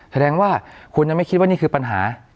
แสดงว่าคุณไม่คิดว่านี่คือปัญหา